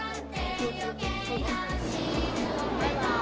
バイバーイ！